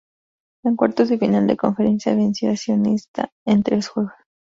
En cuartos de final de conferencia venció a Sionista en tres juegos.